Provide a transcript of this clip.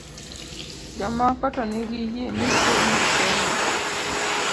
Jomoko to nigi yie ni somo somo